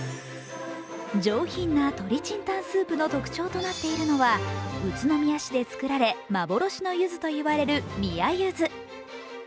上品な鶏清湯スープの特徴となっているのは宇都宮市で作られ、幻のゆずといわれる宮柚子。